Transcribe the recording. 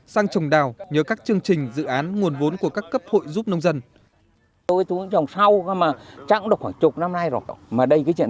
sang trồng đào nhờ các chương trình dự án nguồn vốn của các cấp hội giúp nông dân